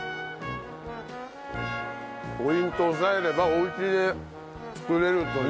ポイントを押さえればお家で作れるという。